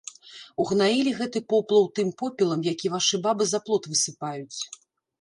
Угнаілі гэты поплаў тым попелам, які вашы бабы за плот высыпаюць.